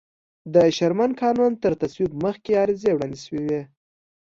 د شرمن قانون تر تصویب مخکې عریضې وړاندې شوې وې.